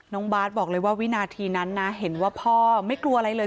น้องบาทบอกเลยว่าวินาทีนั้นนะเห็นว่าพ่อไม่กลัวอะไรเลย